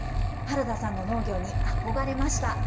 原田さんの農業に憧れました。